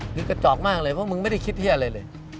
คือกระจอกมากเลยเพราะมึงไม่ได้คิดที่อะไรเลย